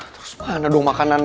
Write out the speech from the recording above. terus mana dong makanannya